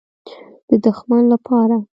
_د دښمن له پاره.